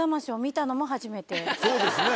そうですね。